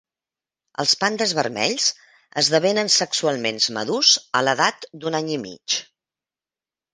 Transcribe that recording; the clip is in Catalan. Els pandes vermells esdevenen sexualment madurs a l'edat d'un any i mig.